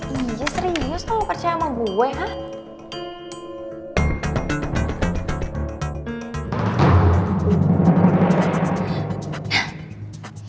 iya serius lo gak percaya sama gue hah